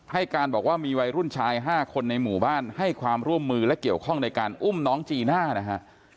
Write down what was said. ให้การบอกว่ามีวัยรุ่นชาย๕คนในหมู่บ้านให้ความร่วมมือและเกี่ยวข้องในการอุ้มน้องจีน่านะฮะ